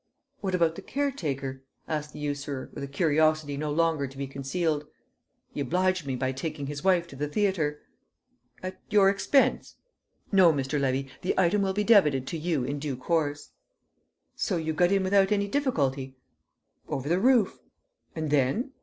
"What about the caretaker?" asked the usurer, with a curiosity no longer to be concealed. "He obliged me by taking his wife to the theatre." "At your expense?" "No, Mr. Levy, the item will be debited to you in due course." "So you got in without any difficulty?" "Over the roof." "And then?"